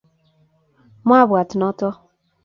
mwabwat noto.